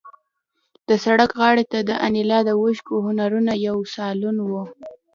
د سړک غاړې ته د انیلا د ښکلو هنرونو یو سالون و